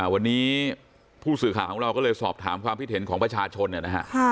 วันนี้ผู้สื่อข่าวของเราก็เลยสอบถามความคิดเห็นของประชาชนนะฮะ